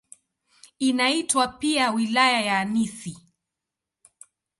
Inaitwa pia "Wilaya ya Nithi".